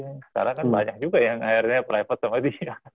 sekarang kan banyak juga yang akhirnya private sama dia